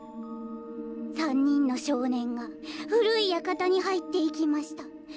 「三人の少年が古い館に入っていきました。